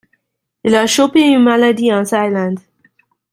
Il a chopé une maladie en Thaïlande.